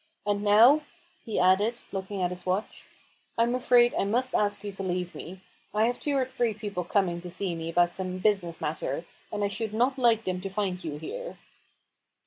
And now," he added, looking at his watch, "I'm afraid I must ask you to leave me. I have two or three people coming to see me about some business matter, and I should not like them to find you here."